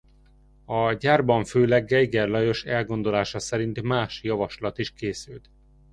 A gyárban főleg Geiger Lajos elgondolása szerint más javaslat is készült.